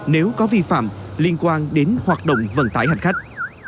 nếu có vi phạm liên quan đến hoạt động vận tải hành khách